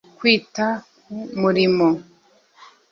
kwita ku murimo